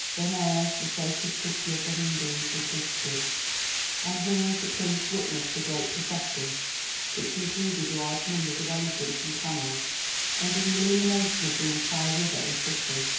Benares, the sacred city of the Hindoos, was visited, and here the Prince witnessed a great procession which included large numbers of elephants and camels, and an illumination of the entire river and city.